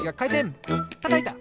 たたいた！